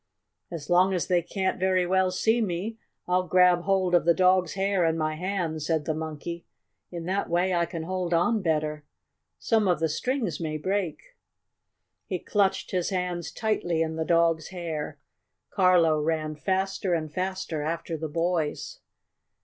"As long as they can't very well see me, I'll grab hold of the dog's hair in my hands," said the Monkey. "In that way I can hold on better. Some of the strings may break." He clutched his hands tightly in the dog's hair. Carlo ran faster and faster after the boys.